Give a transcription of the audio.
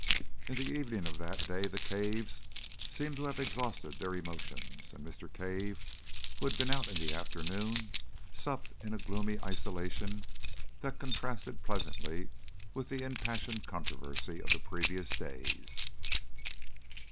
In the evening of that day, the Caves seem to have exhausted their emotions, and Mr. Cave, who had been out in the afternoon, supped in a gloomy isolation that contrasted pleasantly with the impassioned controversy of the previous days.